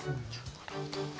なるほど。